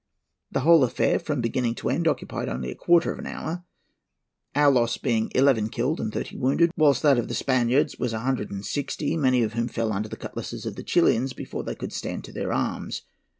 "The whole affair, from beginning to end, occupied only a quarter of an hour, our loss being eleven killed and thirty wounded, whilst that of the Spaniards was a hundred and sixty, many of whom fell under the cutlasses of the Chilians before they could stand to their arms.